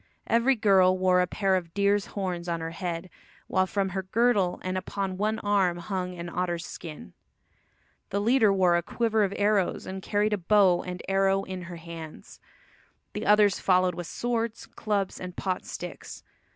Every girl wore a pair of deer's horns on her head, while from her girdle and upon one arm hung an otter's skin. The leader wore a quiver of arrows, and carried a bow and arrow in her hands. The others followed with swords, clubs and pot sticks.